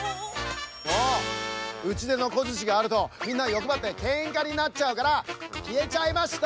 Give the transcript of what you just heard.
もううちでのこづちがあるとみんなよくばってケンカになっちゃうからきえちゃいました！